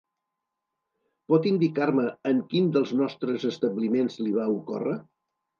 Pot indicar-me en quin dels nostres establiments li va ocórrer?